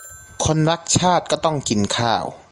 คนรักชาติก็ต้องกินข้าว